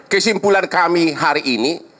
kesimpulan kami hari ini